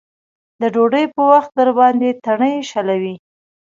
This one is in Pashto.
د ډوډۍ په وخت درباندې تڼۍ شلوي.